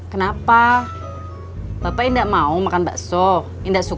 kenapa bapak indah mau makan bakso indah suka